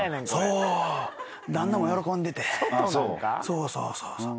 そうそうそうそう。